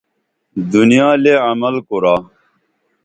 دنیا لے عمل کُرا